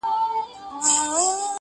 پاچاهان د يوه بل سيمو ته غله وه-